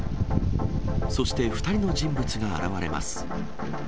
そして、２人の人物が現れます。